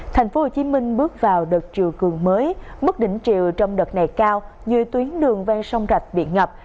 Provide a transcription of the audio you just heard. tp hcm bước vào đợt trừ cường mới mức đỉnh triệu trong đợt này cao dưới tuyến đường vang sông rạch bị ngập